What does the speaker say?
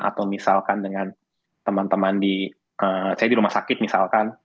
atau misalkan dengan teman teman di saya di rumah sakit misalkan